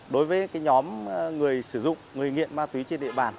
đối với nhóm người sử dụng người nghiện ma túy trên địa bàn